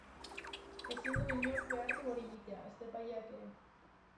Ezin du inork behartu hori egitea, ezta epaileak ere.